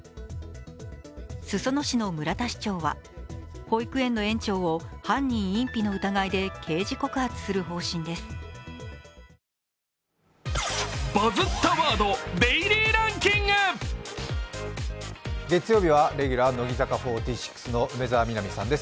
裾野市の村田市長は保育園の園長を犯人隠避の疑いで刑事告発する方針です。